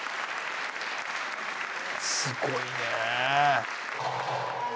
すごいね。